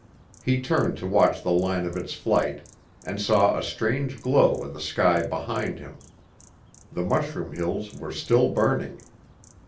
He turned to watch the line of its flight, and saw a strange glow in the sky behind him. The mushroom hills were still burning.